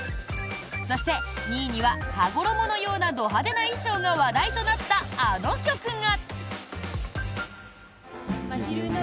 そして、２位には羽衣のようなド派手な衣装が話題となったあの曲が！